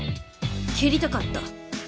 蹴りたかった